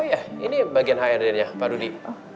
iya ini bagian hrd nya pak rudi